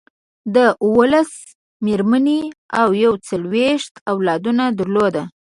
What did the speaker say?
ده اوولس مېرمنې او یو څلویښت اولادونه درلودل.